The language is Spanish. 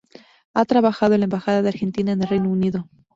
Ha trabajado en la Embajada de Argentina en el Reino Unido.